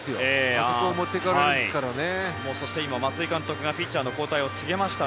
あそこを持っていかれるんですからね。